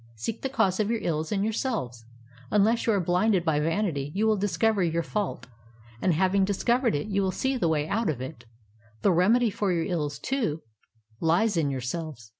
Seek the cause of your Uls in yourselves. Unless you are bhnded by vanity you Vvill discover your fault, and ha\dng discovered it you ^^ill see the wa}' out of it. The remedy for your ills, too, lies in yourselves.